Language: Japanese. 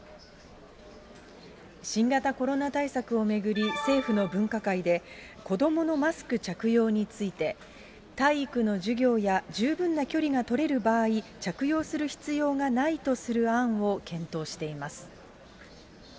新型コロナ対策を巡り、政府の分科会で、子どものマスク着用について、体育の授業や十分な距離が取れる場合、着用する必要がないとする案を検討しています。